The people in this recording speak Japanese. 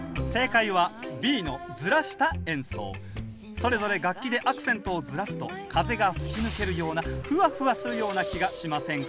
それぞれ楽器でアクセントをずらすと風が吹き抜けるようなフワフワするような気がしませんか？